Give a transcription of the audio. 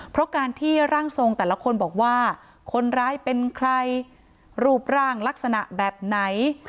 เพราะการที่ร่างทรงแต่ละคนบอกว่าคนร้ายเป็นใครรูปร่างลักษณะแบบไหน